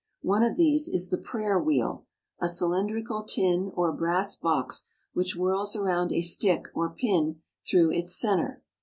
One of these is the prayer wheel, a cylindrical tin or brass box which whirls round a stick or pin through its center.